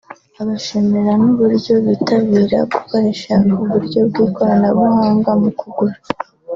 abashimira n’uburyo bitabira gukoresha uburyo bw’ikoranabuhanga mu kugura